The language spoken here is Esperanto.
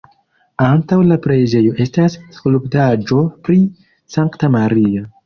Antaŭ la preĝejo estas skulptaĵo pri Sankta Maria.